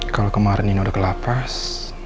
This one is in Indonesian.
kalo kemarin nino udah kelapas